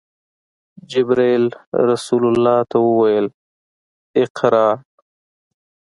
جبرئیل رسول الله ته وویل: “اقرأ!”